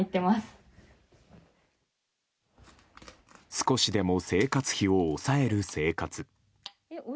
少しでも生活費を抑える生活。